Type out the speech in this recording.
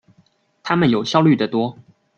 他們有效率的多